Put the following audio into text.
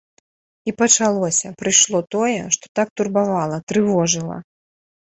І пачалося, прыйшло тое, што так турбавала, трывожыла.